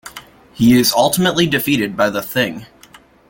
He is ultimately defeated by the Thing.